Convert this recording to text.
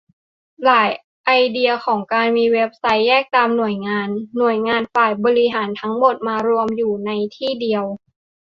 ทลายไอเดียของการมีเว็บไซต์แยกตามหน่วยงาน หน่วยงานฝ่ายบริหารทั้งหมดมารวมอยู่ในที่เดียว